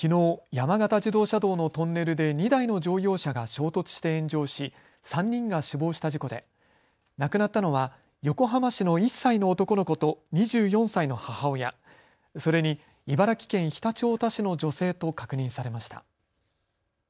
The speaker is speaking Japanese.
山形自動車道のトンネルで２台の乗用車が衝突して炎上し３人が死亡した事故で亡くなったのは横浜市の１歳の男の子と２４歳の母親、それに茨城県常陸太田市の女性と確認されました。